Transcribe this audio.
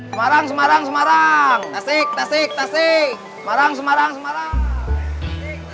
semarang semarang semarang tasik tasik tasik semarang semarang semarang